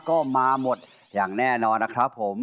ก็มาหมดอย่างแน่นอนนะครับผม